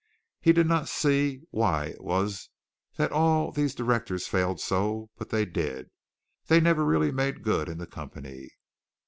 He did not see why it was that all these directors failed so, but they did. They never really made good in the company.